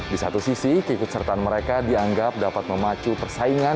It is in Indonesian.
di satu sisi keikutsertaan mereka dianggap dapat memacu persaingan